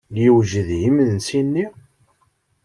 Yewjed yimensi-nni.